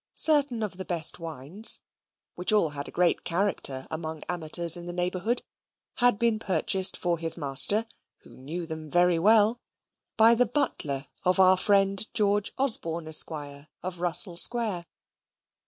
Certain of the best wines (which all had a great character among amateurs in the neighbourhood) had been purchased for his master, who knew them very well, by the butler of our friend John Osborne, Esquire, of Russell Square.